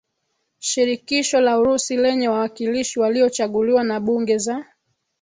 Shirikisho la Urusi lenye wawakilishi waliochaguliwa na bunge za